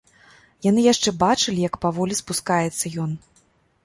Яны яшчэ бачылі, як паволі спускаецца ён.